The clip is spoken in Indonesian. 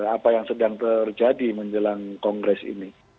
apa yang sedang terjadi menjelang kongres ini